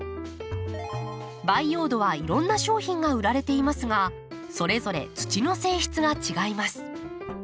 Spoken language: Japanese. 培養土はいろんな商品が売られていますがそれぞれ土の性質が違います。